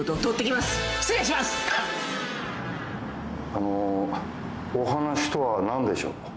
あのお話とは何でしょう？